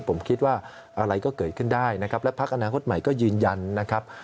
ผมคิดว่าอะไรก็เกิดขึ้นได้นะครับและพักอนาคตใหม่ก็ยืนยันนะครับ